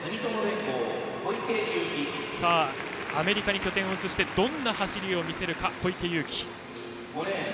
アメリカに拠点を移しどんな走りを見せるか小池祐貴。